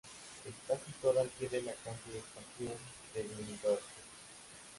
Está situada al pie de la "calle Estación" de Benidorm.